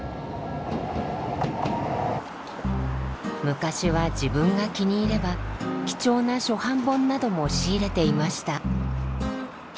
昔は自分が気に入れば貴重な初版本なども仕入れていました。